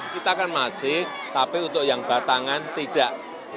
kita kan masih tapi untuk yang batangan tidak